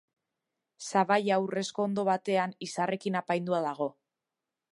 Sabaia, urrezko hondo batean, izarrekin apaindua dago.